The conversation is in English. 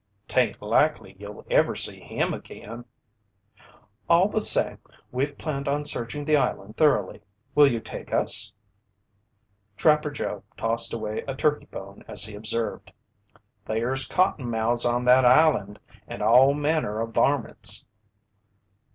"'Tain't likely you'll ever see him again." "All the same, we've planned on searching the island thoroughly. Will you take us?" Trapper Joe tossed away a turkey bone as he observed: "There's cottonmouths on that island and all manner o' varmints."